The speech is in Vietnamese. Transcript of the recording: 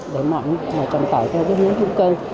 để mà trồng tỏi theo cái hướng dụng cơ